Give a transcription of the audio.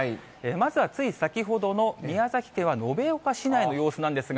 まずはつい先ほどの宮崎県は延岡市内の様子なんですが。